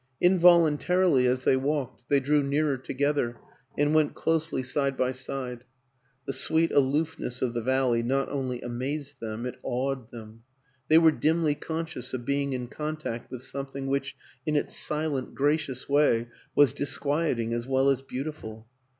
Involuntarily, as they walked they drew nearer together and went closely side by side; the sweet aloofness of the valley not only amazed them, it awed them ; they were dimly con scious of being in contact with something which in its silent, gracious way was disquieting as well as beautiful.